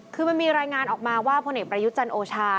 คือมันมีรายงานออกมาว่าพลเอกประยุทธ์จันทร์โอชา